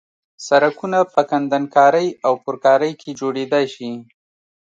سرکونه په کندنکارۍ او پرکارۍ کې جوړېدای شي